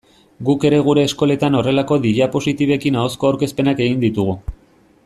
Guk ere gure eskoletan horrelako diapositibekin ahozko aurkezpenak egin ditugu.